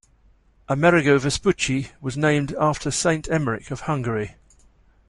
Amerigo Vespucci was named after Saint Emeric of Hungary.